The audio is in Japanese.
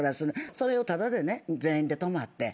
それをタダでね全員で泊まって。